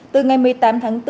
từ ngày một mươi tám tháng bốn